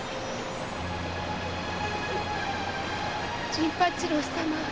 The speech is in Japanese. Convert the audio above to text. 陣八郎様